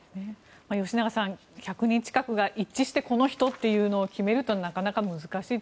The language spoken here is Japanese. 吉永さん１００人近くが一致してこの人というのを決めるというのはなかなか難しい。